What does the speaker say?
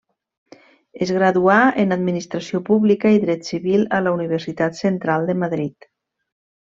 Es graduà en administració Pública i Dret Civil a la Universitat Central de Madrid.